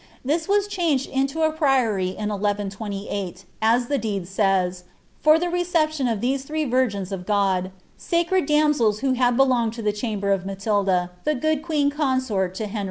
This was changed into a priory* in 1 128, as the deed says, ^for the reception of these three virgins of God, sacreil damsels who had bdonged to the chamber of Matilda, the good queen coosort to Henry 1."